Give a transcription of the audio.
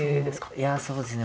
いやそうですね